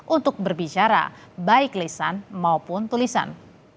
untuk berbicara baik lisan maupun tulisan